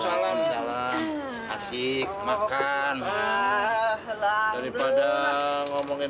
bagaimanapun apa yang saya tindakan verdiu